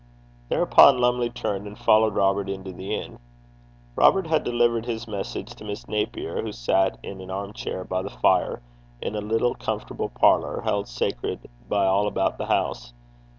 Thereupon Lumley turned and followed Robert into the inn. Robert had delivered his message to Miss Napier, who sat in an arm chair by the fire, in a little comfortable parlour, held sacred by all about the house.